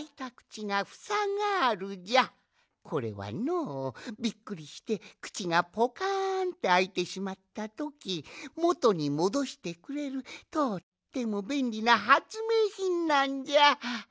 これはのびっくりしてくちがポカンってあいてしまったときもとにもどしてくれるとってもべんりなはつめいひんなんじゃ！